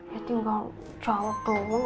ya tinggal jawab dong